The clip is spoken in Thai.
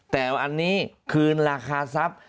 แต่อันนี้คืนราคาทรัพย์